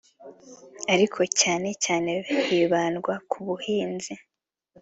ariko cyane cyane hibandwa ku buhinzi